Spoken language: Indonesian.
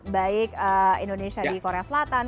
baik indonesia di korea selatan